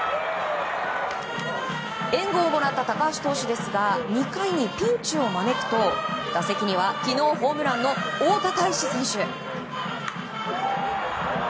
援護をもらった高橋投手ですが２回にピンチを招くと打席には昨日ホームランの大田泰示選手。